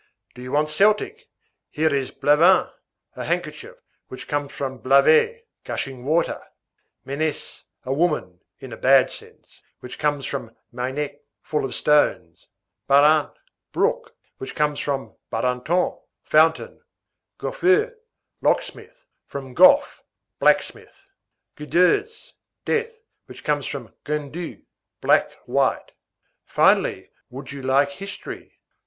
Do you want Celtic? Here is blavin, a handkerchief, which comes from blavet, gushing water; ménesse, a woman (in a bad sense), which comes from meinec, full of stones; barant, brook, from baranton, fountain; goffeur, locksmith, from goff, blacksmith; guedouze, death, which comes from guenn du, black white. Finally, would you like history?